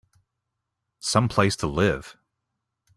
Some place to live!